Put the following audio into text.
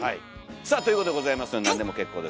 さあということでございますが何でも結構です。